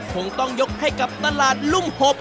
คงต้องยกให้กับตลาดลุ่มหบ